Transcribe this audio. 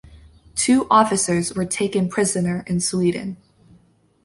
Two officers were taken prisoner in Sweden.